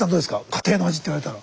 家庭の味って言われたら。